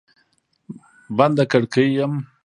بنده کړکۍ یم